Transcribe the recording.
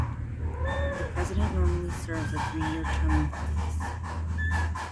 The President normally serves a three-year term of office.